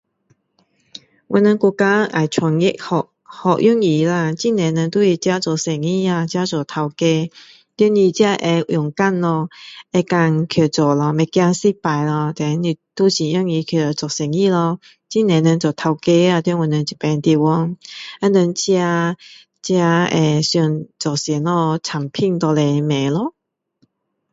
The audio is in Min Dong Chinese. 我们国家要专业蛮蛮容易啦很多人都是自己做生意自己做老板要你自己会勇敢咯会敢去做咯不怕失败咯这都是去做生意咯很多人做老板在我们这个地方他们自己自己会想做什么产品拿出来卖咯